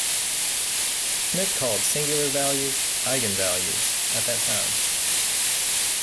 Schmidt called singular values "eigenvalues" at that time.